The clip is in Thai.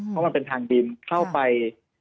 เพราะมันเป็นทางดินเข้าไป